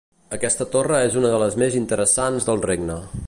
Aquesta torre és una de les més interessants del Regne.